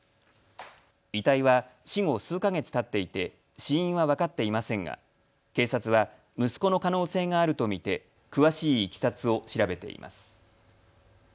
遺体は死後数か月たっていて死因は分かっていませんが警察は息子の可能性があると見て詳しいいきさつを調べています。